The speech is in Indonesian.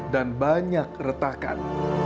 dan banyak retakan